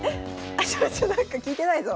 ちょっとなんか聞いてないぞ。